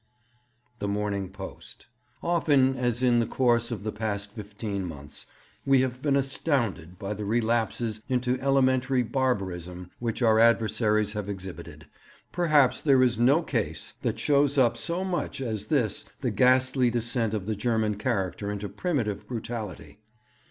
The Morning Post. 'Often as in the course of the past fifteen months we have been astounded by the relapses into elemental barbarism which our adversaries have exhibited, perhaps there is no case that shows up so much as this the ghastly descent of the German character into primitive brutality.